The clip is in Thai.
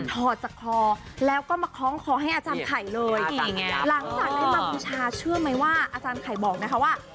ถอดจากคอแล้วก็มาคล้องคอให้อาจารย์ไข่เลยหลังจากได้มาบูชาเชื่อไหมว่าอาจารย์ไข่บอกนะคะว่า